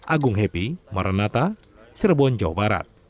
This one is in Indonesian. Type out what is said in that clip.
agung happy maranata cirebon jawa barat